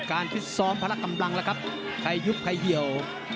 การพิสอมพละกำลังละครับใครยุบใครเหี่ยว